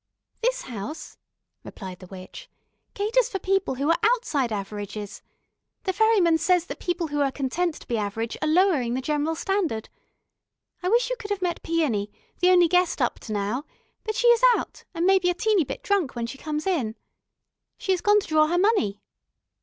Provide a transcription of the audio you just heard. "This house," replied the witch, "caters for people who are outside averages. The ferryman says that people who are content to be average are lowering the general standard. I wish you could have met Peony, the only guest up to now, but she is out, and may be a teeny bit drunk when she comes in. She has gone to draw her money."